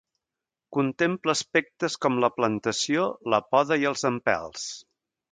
Contempla aspectes com la plantació, la poda i els empelts.